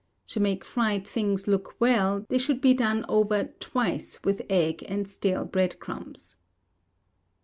To make fried things look well, they should be done over twice with egg and stale bread crumbs.